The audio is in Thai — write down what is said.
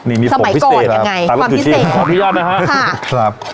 นี่มีของพิเศษครับสมัยก่อนยังไงความพิเศษของพี่ย่านนะคะค่ะครับ